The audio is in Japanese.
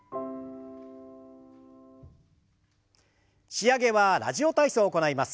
仕上げは「ラジオ体操」を行います。